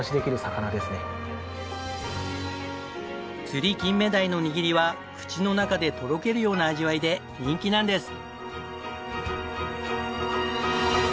つりきんめ鯛の握りは口の中でとろけるような味わいで人気なんです。